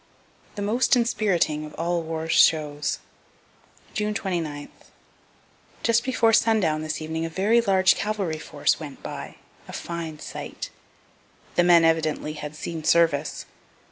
THE MOST INSPIRITING OF ALL WAR'S SHOWS June 29. Just before sundown this evening a very large cavalry force went by a fine sight. The men evidently had seen service.